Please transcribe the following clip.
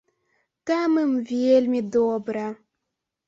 Там ім вельмі добра!